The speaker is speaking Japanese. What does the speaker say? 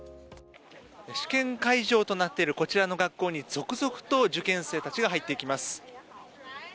試験会場となっているこちらの学校に続々と受験生たちが入っていきます。